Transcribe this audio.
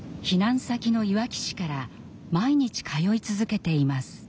避難先のいわき市から毎日通い続けています。